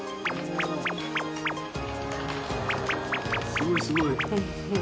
すごいすごい。